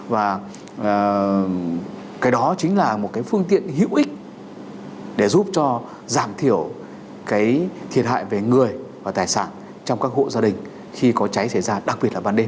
và cái đó chính là một cái phương tiện hữu ích để giúp cho giảm thiểu cái thiệt hại về người và tài sản trong các hộ gia đình khi có cháy xảy ra đặc biệt là ban đêm